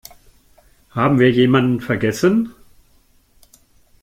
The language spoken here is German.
Haben wir jemanden vergessen?